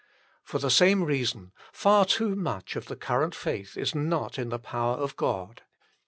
For the same reason, far too much of the current faith is not in the power of God.